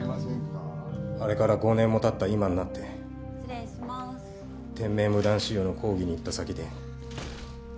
あれから５年も経った今になって店名無断使用の抗議に行った先で。